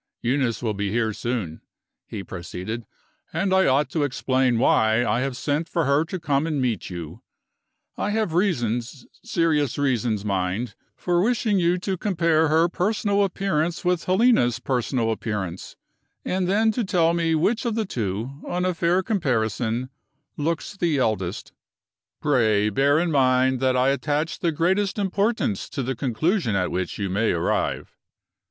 "Eunice will be here soon," he proceeded, "and I ought to explain why I have sent for her to come and meet you. I have reasons, serious reasons, mind, for wishing you to compare her personal appearance with Helena's personal appearance, and then to tell me which of the two, on a fair comparison, looks the eldest. Pray bear in mind that I attach the greatest importance to the conclusion at which you may arrive."